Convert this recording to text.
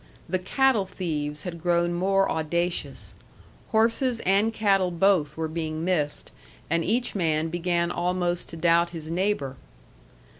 The cattle thieves had grown more audacious. Horses and cattle both were being missed, and each man began almost to doubt his neighbor.